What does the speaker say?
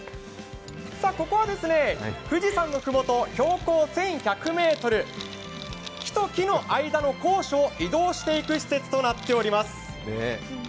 ここは、富士山の麓標高１１００ｍ木と木の間の高所を移動していく施設となっております。